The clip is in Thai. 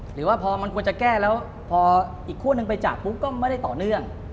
หรือว่าพอมันควรจะแก้แล้วพออีกคั่วหนึ่งไปจับปุ๊บก็ไม่ได้ต่อเนื่อง